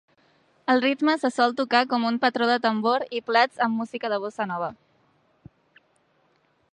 El ritme se sol tocar com un patró de tambor i plats amb música de bossa nova.